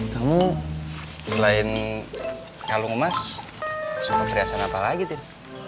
kamu selain kalung emas suka periasan apa lagi tin